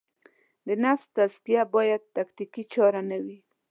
د نفس تزکیه باید تکتیکي چاره نه وي.